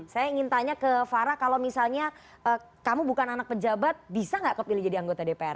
saya ingin tanya ke farah kalau misalnya kamu bukan anak pejabat bisa nggak kepilih jadi anggota dpr